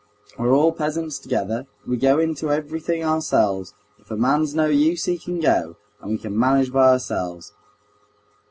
"We're all peasants together. We go into everything ourselves. If a man's no use, he can go, and we can manage by ourselves."